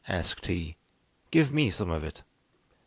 asked he, "give me some of it."